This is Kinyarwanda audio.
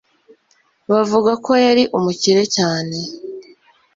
Bavuga ko yari umukire cyane